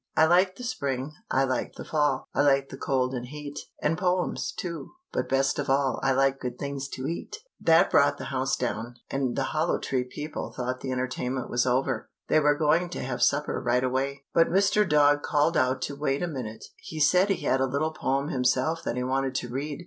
I like the spring, I like the fall, I like the cold and heat, And poems, too, but best of all I like good things to eat. [Illustration: LEANED OVER CLOSE TO THE BLINDS AND COMMENCED TO READ.] That brought the house down, and the Hollow Tree people thought the entertainment was over. They were going to have supper right away, but Mr. Dog called out to wait a minute. He said he had a little poem himself that he wanted to read.